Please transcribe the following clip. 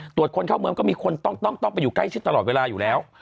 ตรวจคนเข้าเมืองก็มีคนต้องไปอยู่ใกล้ชิดตลอดเวลาอยู่แล้ว